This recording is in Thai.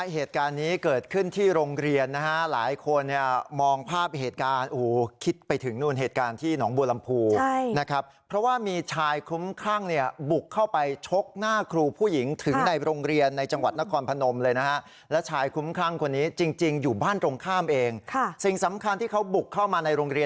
เหตุการณ์นี้เกิดขึ้นที่โรงเรียนนะฮะหลายคนเนี่ยมองภาพเหตุการณ์โอ้โหคิดไปถึงนู่นเหตุการณ์ที่หนองบัวลำพูนะครับเพราะว่ามีชายคุ้มครั่งเนี่ยบุกเข้าไปชกหน้าครูผู้หญิงถึงในโรงเรียนในจังหวัดนครพนมเลยนะฮะและชายคุ้มครั่งคนนี้จริงอยู่บ้านตรงข้ามเองสิ่งสำคัญที่เขาบุกเข้ามาในโรงเรียน